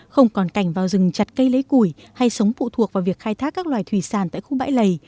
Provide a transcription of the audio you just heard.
không còn cảnh vào rừng chặt cây lấy củi hay sống phụ thuộc vào việc khai thác các loài thủy sản tại khu bãi lầy